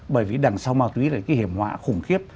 bởi vì đằng sau ma túy là cái hiểm họa khủng khiếp